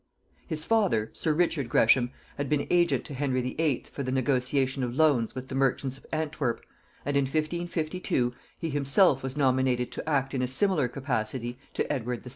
His father, sir Richard Gresham, had been agent to Henry VIII. for the negotiation of loans with the merchants of Antwerp, and in 1552 he himself was nominated to act in a similar capacity to Edward VI.